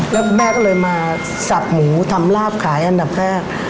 แล้วแม่ก็เลยมาสับหมูทำลาบขายอันดับแรก